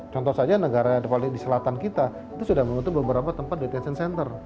contoh saja negara di selatan kita itu sudah membentuk beberapa tempat detection center